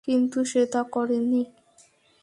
কিন্তু সে তা করেনি।